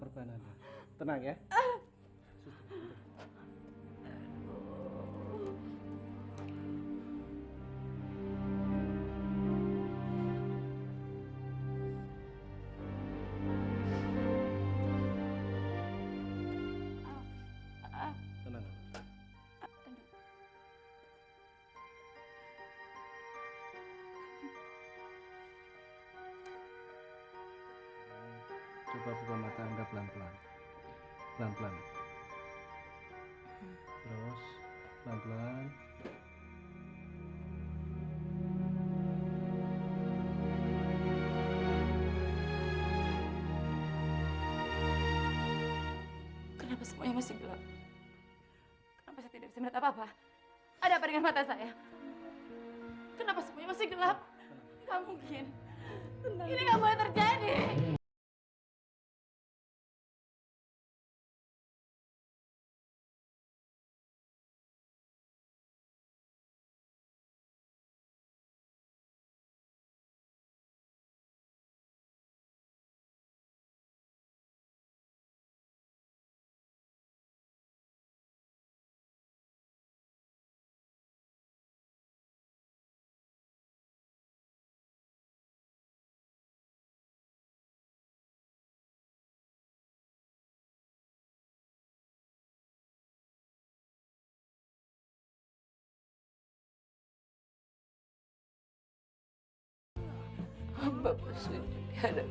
saya sudah putus asa